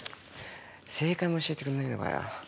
正解も教えてくんないのかよ。